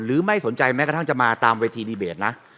ไม่สนใจแม้กระทั่งจะมาตามเวทีดีเบตนะ